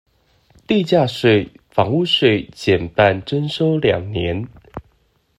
地價稅、房屋稅減半徵收兩年